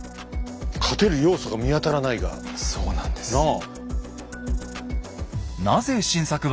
そうなんです。なあ？